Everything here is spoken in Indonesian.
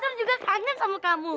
patron juga kangen sama kamu